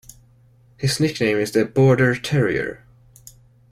His nickname is the "Border Terrier".